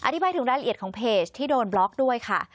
อธิบายถึงรายละเอียดของเพจที่โดนบล็อกด้วยค่ะ